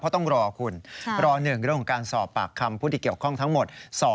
เพราะต้องรอคุณรอ๑เรื่องของการสอบปากคำผู้ที่เกี่ยวข้องทั้งหมด